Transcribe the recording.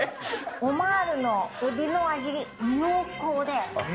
オマールの海老の味、濃厚で。